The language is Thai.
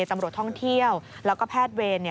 ตำรวจท่องเที่ยวแล้วก็แพทย์เวร